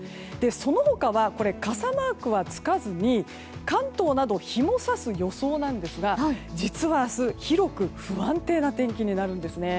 その他は、傘マークはつかずに関東など日も差す予想なんですが実は明日、広く不安定な天気になるんですね。